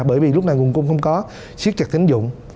bởi vì lúc này nguồn cung không có siết chặt tín dụng